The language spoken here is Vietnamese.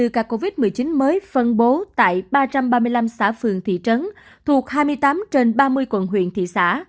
một tám trăm ba mươi bốn ca covid một mươi chín mới phân bố tại ba trăm ba mươi năm xã phường thị trấn thuộc hai mươi tám trên ba mươi quận huyện thị xã